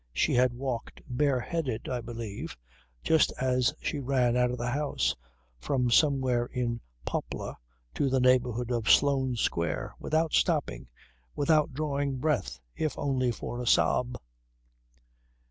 She had walked bareheaded, I believe, just as she ran out of the house, from somewhere in Poplar to the neighbourhood of Sloane Square without stopping, without drawing breath, if only for a sob.